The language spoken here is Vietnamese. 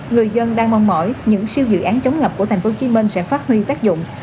người dân đang mong mỏi những siêu dự án chống ngập của tp hcm sẽ phát huy tác dụng